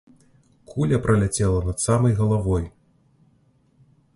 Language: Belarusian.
Куля праляцела над самай галавой!